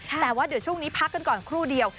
แต่ว่าเดี๋ยวช่วงนี้พักกันก่อนครู่เดียว